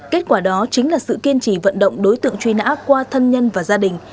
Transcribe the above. kết quả đó chính là sự kiên trì vận động đối tượng truy nã qua thân nhân và gia đình